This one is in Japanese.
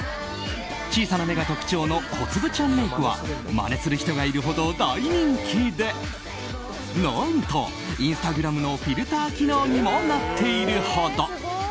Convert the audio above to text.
小さな目が特徴の小粒ちゃんメイクはまねする人がいるほど大人気で何と、インスタグラムのフィルター機能にもなっているほど。